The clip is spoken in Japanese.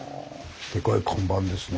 デカい看板ですね。